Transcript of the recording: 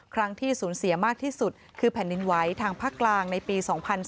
ครั้งที่สูญเสียมากที่สุดคือแผ่นดินไหวทางภาคกลางในปี๒๔